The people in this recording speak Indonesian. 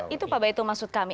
itu pak baitul maksud kami